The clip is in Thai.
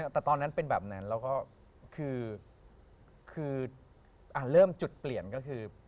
แต่ตอนนั้นเป็นแบบนั้นแล้วก็คือเริ่มจุดเปลี่ยนก็คือ